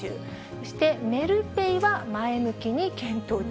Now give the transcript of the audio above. そしてメルペイは、前向きに検討中。